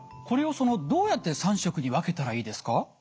これをそのどうやって３食に分けたらいいですか？